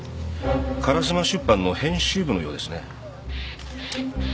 烏丸出版の編集部のようですね。